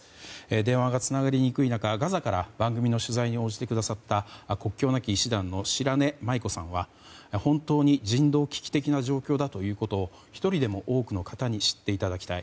電話がつながりにくい中ガザから番組の取材に応じてくださった国境なき医師団の白根麻衣子さんは本当に人道危機的な状況だと１人でも多くの方に知っていただきたい。